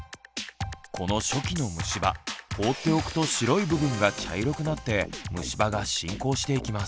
この初期のむし歯放っておくと白い部分が茶色くなってむし歯が進行していきます。